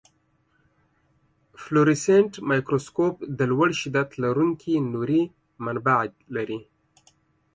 فلورسنټ مایکروسکوپ د لوړ شدت لرونکي نوري منبع لري.